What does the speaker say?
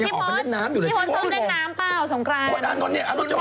ยังมันเล่นน้ำอยู่นะชิคกี้พายพอพี่โพธมาเล่นน้ำเป้าโสงกราน